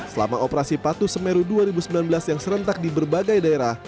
selama operasi patu semeru dua ribu sembilan belas yang serentak di berbagai daerah